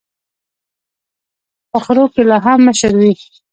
په خرو کي لا هم مشر وي.